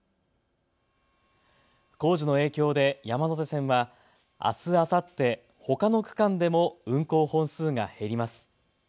工事の影響で山手線はあす、あさってほかの区間でも運行本数が減ります。